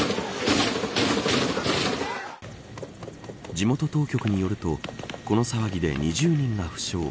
地元当局によるとこの騒ぎで２０人が負傷。